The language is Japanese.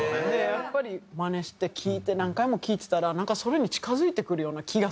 やっぱり真似して聴いて何回も聴いてたらなんかそれに近付いてくるような気がするの。